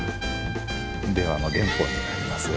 「令和」の原本になります。